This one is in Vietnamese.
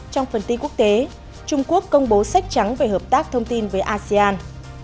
trong phần tin quốc tế trung quốc công bố sách trắng về hợp tác thông tin với asean